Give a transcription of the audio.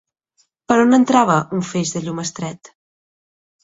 Per on entrava un feix de llum estret?